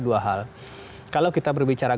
dua hal kalau kita berbicara